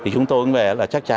chúng tôi chắc chắn phải